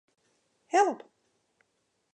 Help.